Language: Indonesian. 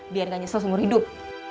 biar gak nyesel seumur hidup